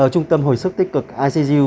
trung tâm hồi sức tích cực icu